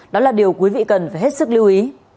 đó là điều quý vị cần phải hết sức lưu ý